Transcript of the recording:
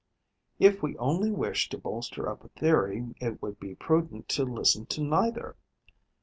If we only wish to bolster up a theory, it would be prudent to listen to neither.